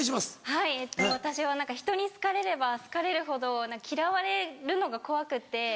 はい私は人に好かれれば好かれるほど嫌われるのが怖くて。